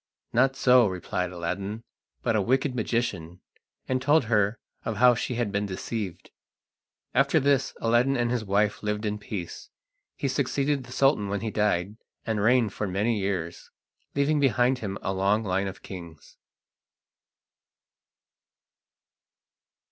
"Not so," replied Aladdin, "but a wicked magician," and told her of how she had been deceived. After this Aladdin and his wife lived in peace. He succeeded the Sultan when he died, and reigned for many years, leaving behind him a long line of kings.